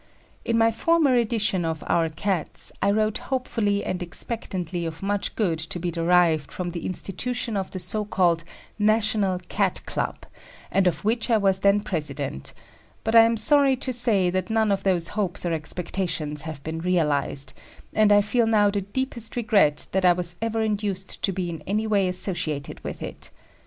In my former edition of "Our Cats," I wrote hopefully and expectantly of much good to be derived from the institution of the so called National Cat Club, and of which I was then President; but I am sorry to say that none of those hopes or expectations have been realised, and I now feel the deepest regret that I was ever induced to be in any way associated with it.